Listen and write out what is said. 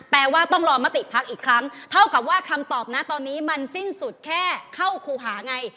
แปลว่าต้องรอมติพักอีกครั้งเท่ากับว่าคำตอบนะตอนนี้มันสิ้นสุดแค่เข้าครูหาไง